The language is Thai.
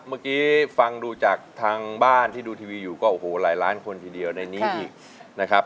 เมื่อกี้ฟังดูจากทางบ้านที่ดูทีวีอยู่ก็โอ้โหหลายล้านคนทีเดียวในนี้อีกนะครับ